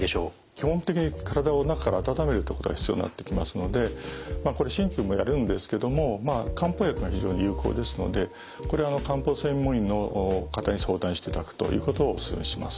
基本的に体を中から温めるってことが必要になってきますので鍼灸もやるんですけども漢方薬が非常に有効ですので漢方専門医の方に相談していただくということをおすすめします。